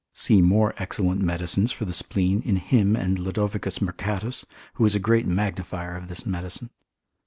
See more excellent medicines for the spleen in him and Lod. Mercatus, who is a great magnifier of this medicine.